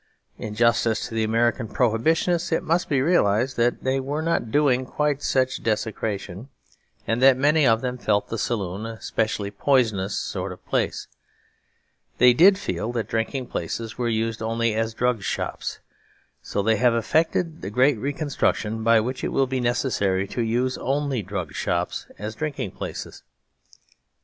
In justice to the American Prohibitionists it must be realised that they were not doing quite such desecration; and that many of them felt the saloon a specially poisonous sort of place. They did feel that drinking places were used only as drug shops. So they have effected the great reconstruction, by which it will be necessary to use only drug shops as drinking places.